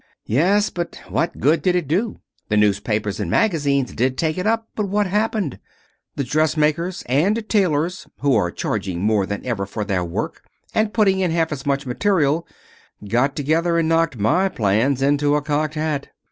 "Yes. But what good did it do? The newspapers and magazines did take it up, but what happened? The dressmakers and tailors, who are charging more than ever for their work, and putting in half as much material, got together and knocked my plans into a cocked hat.